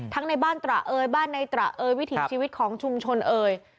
ในบ้านตระเอยบ้านในตระเอยวิถีชีวิตของชุมชนเอ่ย